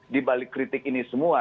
di balik kritik ini semua